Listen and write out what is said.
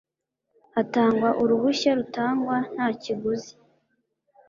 hatangwa uruhushya rutangwa nta kiguzi